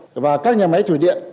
nhiều và các nhà máy thủy điện